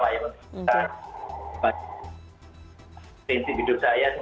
ya setiap kompanyen